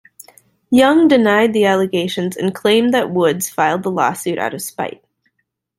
Young denied the allegations and claimed that Woods filed the lawsuit out of spite.